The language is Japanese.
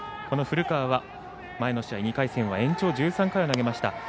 この古川は前の試合、２回戦は延長１３回を投げました。